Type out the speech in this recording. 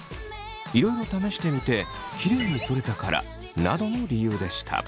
「いろいろ試してみてキレイにそれたから」などの理由でした。